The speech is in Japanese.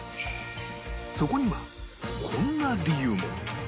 そこにはこんな理由も